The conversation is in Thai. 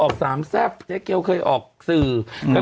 ออกสามแซ่บเจ๊เกลเคยออกสื่อแล้ว